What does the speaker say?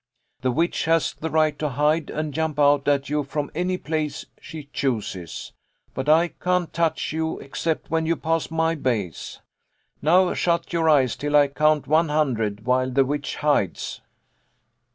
The witch has the right to hide and jump out at you from any place she chooses, but I can't touch you except when you pass my base. Now shut your eyes till I count one hundred, while the witch hides."